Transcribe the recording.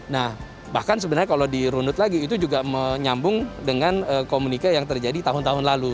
nah bahkan sebenarnya kalau dirunut lagi itu juga menyambung dengan komunika yang terjadi tahun tahun lalu